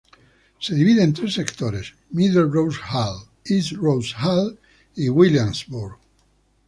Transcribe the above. Se divide en tres sectores: Middle Rose Hall, East Rose Hall y Williamsburg.